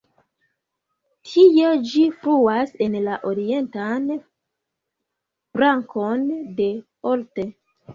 Tie ĝi fluas en la orientan brakon de Olt.